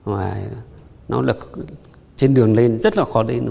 và nó lực trên đường lên rất là khó lên